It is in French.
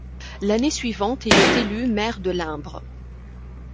L'année suivante, il est élu maire de Lumbres.